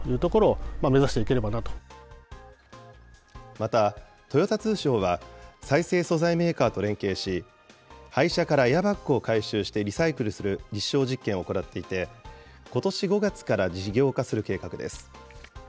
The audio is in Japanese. また、豊田通商は再生素材メーカーと連携し、廃車からエアバッグを回収してリサイクルする実証実験を行っていて、ことし５月から事業化する計画です。